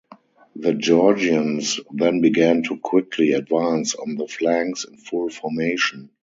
The Georgians then began to quickly advance on the flanks in full formation.